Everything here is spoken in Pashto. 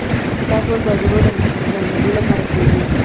دا ټول د عضلو د نرمېدو لپاره کېږي.